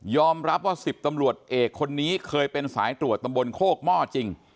รับว่า๑๐ตำรวจเอกคนนี้เคยเป็นสายตรวจตำบลโคกหม้อจริง